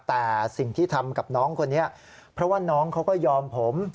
แต่สิ่งที่ทำกับน้องคนนี้เพราะว่าน้องเขาก็ยอมผม